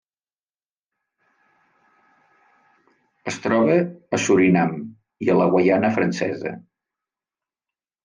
Es troba a Surinam i a la Guaiana Francesa.